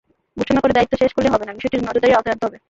ঘোষণা করে দায়িত্ব শেষ করলে হবে না, বিষয়টি নজরদারির আওতায় আনতে হবে।